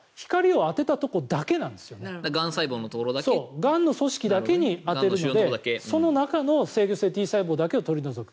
がんの組織だけに当てるのでその中の制御性Ｔ細胞だけを取り除く。